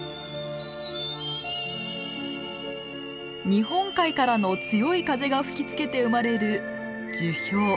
日本海からの強い風が吹きつけて生まれる樹氷。